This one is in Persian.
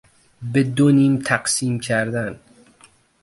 به دو نیم تقسیم کردن